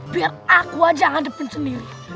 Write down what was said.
biar aku saja yang hadapin sendiri